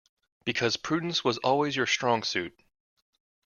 Because prudence was always your strong suit.